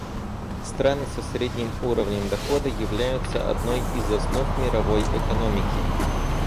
Страны со средним уровнем дохода являются одной из основ мировой экономики.